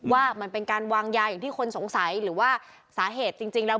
ว่ามันเป็นการวางยาอย่างที่คนสงสัยหรือว่าสาเหตุจริงแล้ว